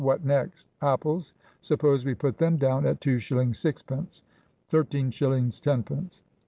What next? Apples? Suppose we put them down at 2 shillings 6 pence 13 shillings 10 pence.